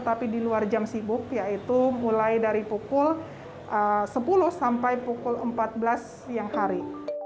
tapi di luar jam sibuk yaitu mulai dari pukul sepuluh sampai pukul empat belas siang hari